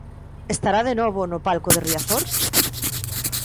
Estará de novo no palco de Riazor?